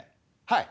はい！